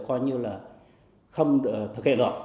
coi như là không thực hiện được